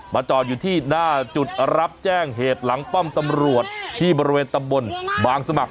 จอดอยู่ที่หน้าจุดรับแจ้งเหตุหลังป้อมตำรวจที่บริเวณตำบลบางสมัคร